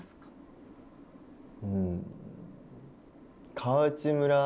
うん。